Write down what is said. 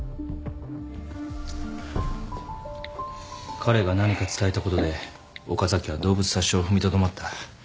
彼が何か伝えたことで岡崎は動物殺傷を踏みとどまった。